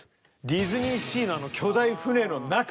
ディズニーシーのあの巨大船の中。